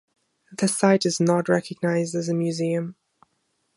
The site is not recognized as a museum.